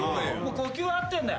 呼吸は合ってんだよ。